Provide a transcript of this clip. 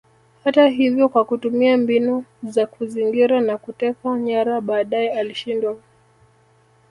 Hata hivyo kwa kutumia mbinu za kuzingira na kuteka nyara baadaye alishindwa